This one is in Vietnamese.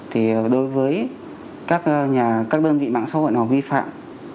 thì đối với các đơn vị mạng xã hội nào vi phạm